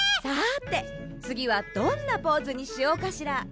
さてつぎはどんなポーズにしようかしら。